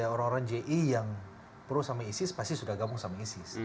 orang orang ji yang pro sama isis pasti sudah gabung sama isis